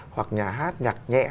hoặc nhà hát nhạc nhẹ